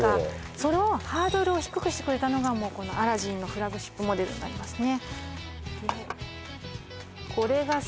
そのハードルを低くしてくれたのがもうこのアラジンのフラッグシップモデルになりますね